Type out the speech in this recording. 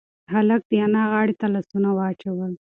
هلک د انا غاړې ته لاسونه واچول.